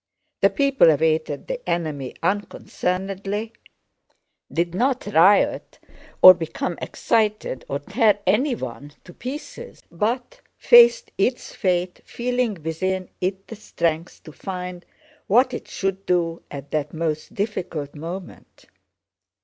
The people awaited the enemy unconcernedly, did not riot or become excited or tear anyone to pieces, but faced its fate, feeling within it the strength to find what it should do at that most difficult moment.